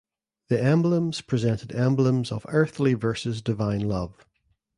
The emblems presented emblems of earthly versus divine love.